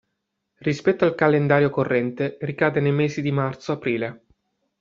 Rispetto al calendario corrente ricade nei mesi di marzo-aprile.